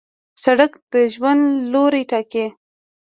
سړک د ژوند لوری ټاکي.